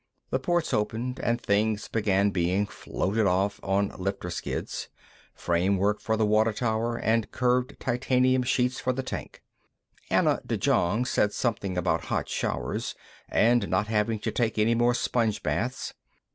The ports opened, and things began being floated off on lifter skids: framework for the water tower, and curved titanium sheets for the tank. Anna de Jong said something about hot showers, and not having to take any more sponge baths.